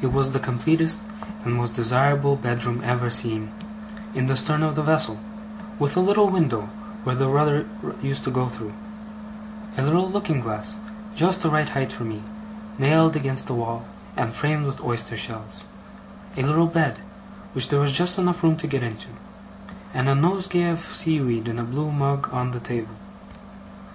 It was the completest and most desirable bedroom ever seen in the stern of the vessel; with a little window, where the rudder used to go through; a little looking glass, just the right height for me, nailed against the wall, and framed with oyster shells; a little bed, which there was just room enough to get into; and a nosegay of seaweed in a blue mug on the table.